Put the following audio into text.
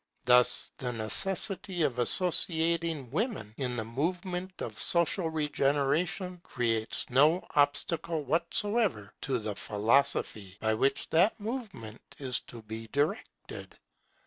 Thus the necessity of associating women in the movement of social regeneration creates no obstacle whatever to the philosophy by which that movement is to be directed.